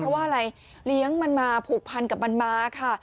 เพราะว่าอะไรเลี้ยงมันมาผูกพันกับมันมาค่ะ